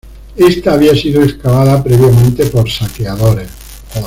Esta había sido excavada previamente por saqueadores.